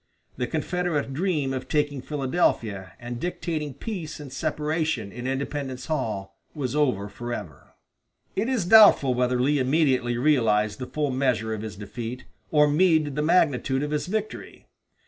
The Confederate dream of taking Philadelphia and dictating peace and separation in Independence Hall was over forever. It is doubtful whether Lee immediately realized the full measure of his defeat, or Meade the magnitude of his victory.